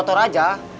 buat beli motor aja